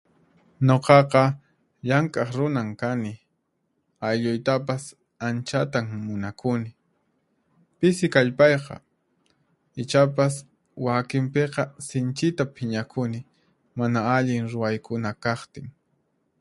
Nuqaqa llank'aq runan kani, aylluytapas anchatan munakuni. Pisi kallpayqa, ichapas, wakinpiqa sinchita phiñakuni mana allin ruwaykuna kaqtin.